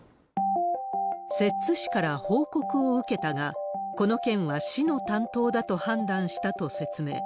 摂津市から報告を受けたが、この件は市の担当だと判断したと説明。